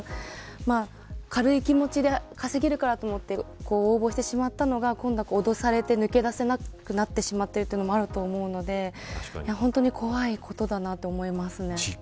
ただ、軽い気持ちで稼げるからと思って応募してしまったのが今度は脅されて抜けなくなくなってしまっているというのもあると思うので本当に怖いことだと思いますね。